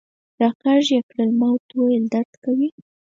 را کږ یې کړل، ما ورته وویل: درد کوي.